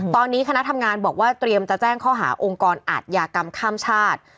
ตอนนี้คณะทำงานบอกว่าเตรียมจะแจ้งข้อหาองค์กรอาทยากรรมข้ามชาติ